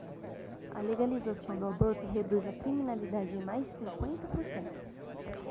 Legalização do aborto reduz a criminalidade em mais de cinquenta por cento